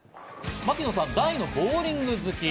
槙野さん、大のボウリング好き。